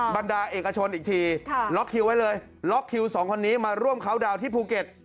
บรรดาเอกชนอีกทีล็อกคิวไว้เลยล็อกคิวสองคนนี้มาร่วมเขาดาวน์ที่ภูเก็ต